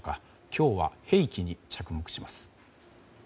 今日は兵器に着目します。